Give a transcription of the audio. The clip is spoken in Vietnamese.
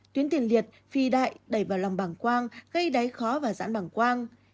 tuyến tiền liệt phì đại đẩy vào lòng bằng quang gây đáy khó và dãn bằng quang